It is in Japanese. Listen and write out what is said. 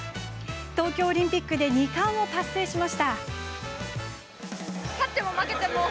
東京オリンピックで２冠を達成しました。